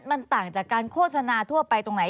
มันต่างจากการโฆษณาทั่วไปตรงไหน